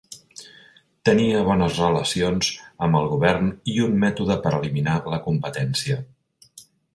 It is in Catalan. Tenia bones relacions amb el govern i un mètode per eliminar la competència.